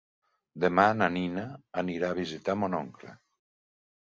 Demà na Nina anirà a visitar mon oncle.